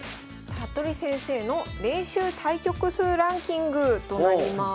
服部先生の練習対局数ランキングとなります。